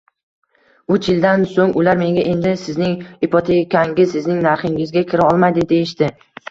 uch yildan so‘ng ular menga: endi sizning ipotekangiz sizning narxingizga kira olmaydi, deyishdi.